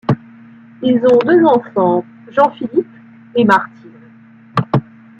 Ils ont deux enfants: Jean-Philippe et Martine.